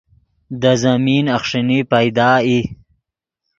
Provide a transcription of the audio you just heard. دے زمین اخݰینی پیدا ای